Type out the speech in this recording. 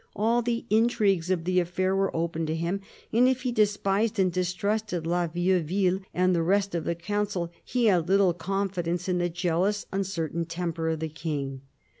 All the intrigues of the affair were open to him, and if he despised and distrusted La Vieuville and the rest of the Council, he had little confidence in the jealous, uncertain temper of the King.